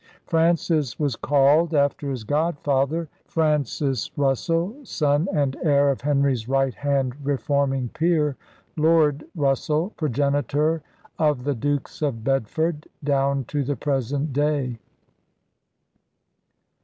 Francis was called after his godfather, Francis 95 96 ELIZABETHAN SEA DOGS Russell, son and heir of Henry's right hand re forming peer, Lord Russell, progenitor of the Dukes of Bedford down to the present day.